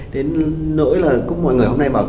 đến nỗi mọi người hôm nay bảo